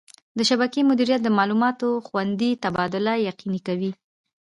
د شبکې مدیریت د معلوماتو خوندي تبادله یقیني کوي.